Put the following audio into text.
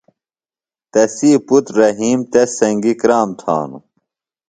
تسی پُتر رحیم تس سنگیۡ کرام تھانوۡ۔